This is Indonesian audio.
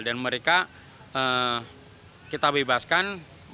dan mereka kita bebaskan